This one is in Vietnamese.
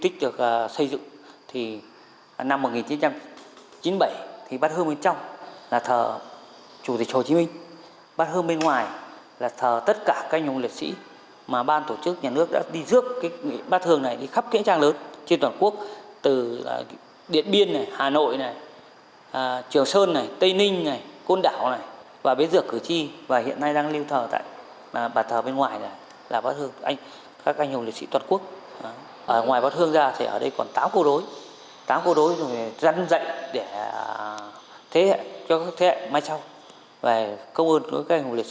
các anh hùng liệt sĩ toàn quốc ở ngoài bác thương gia thì ở đây còn tám câu đối tám câu đối dân dạy cho các thế hệ mai sau và công ơn các anh hùng liệt sĩ